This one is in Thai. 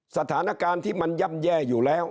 สถานการณ์ที่มันย่ำแย่อยู่แล้ว